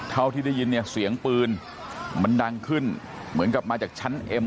มันต้องวิ่งไปตรงนั้นแล้วนะเป็นเวลาแล้วนะครับ